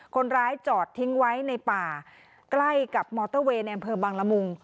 คนร้ายจอดทิ้งไว้ในป่าใกล้กับมอเตอร์เวย์ในอำเภอบังละมุง